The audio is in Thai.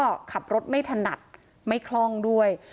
ก็ขับรถไม่ถนัดไม่คล่องด้วย